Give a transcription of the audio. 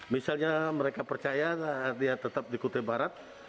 misalnya mereka percaya dia tetap di kutai barat